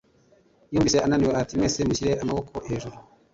yumvise ananiwe, ati "mwese mushyire amaboko hejuru!"